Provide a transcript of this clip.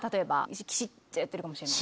きちっとやってるかもしれない。